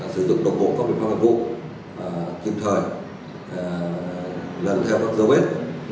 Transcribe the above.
sử dụng độc vụ phát biệt pháp hợp vụ kiểm thời lần theo các dấu vết